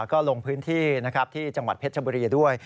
ก็ลงพื้นที่ที่จังหวัดเพชรชบุรีด้วย